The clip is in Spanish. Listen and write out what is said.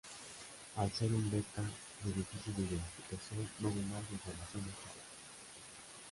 Al ser un "Betta" de difícil identificación, no hubo más información hasta ahora.